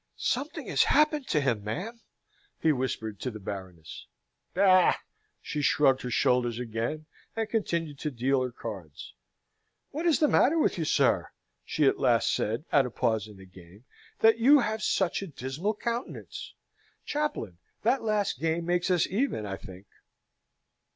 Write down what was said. "Something has happened to him, ma'am," he whispered to the Baroness. "Bah!" She shrugged her shoulders again, and continued to deal her cards. "What is the matter with you, sir," she at last said, at a pause in the game, "that you have such a dismal countenance? Chaplain, that last game makes us even, I think!"